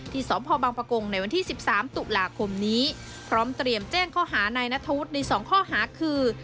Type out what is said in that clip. สพบังปะกงในวันที่๑๓ตุลาคมนี้พร้อมเตรียมแจ้งข้อหานายนัทธวุฒิในสองข้อหาคือ